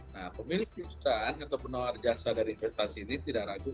nah pemilik perusahaan atau penawar jasa dari investasi ini tidak ragu